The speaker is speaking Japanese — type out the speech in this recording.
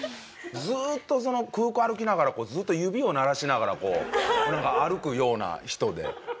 ずっとその空港を歩きながらずっと指を鳴らしながらこうなんか歩くような人で。